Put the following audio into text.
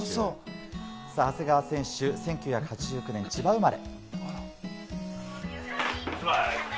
さぁ長谷川選手、１９８９年、千葉生まれ。